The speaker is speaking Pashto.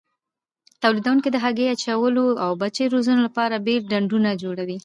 تولیدوونکي د هګۍ اچولو او بچیو روزنې لپاره بېل ډنډونه جوړوي.